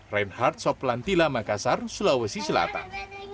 reinhard soplan tila makassar sulawesi selatan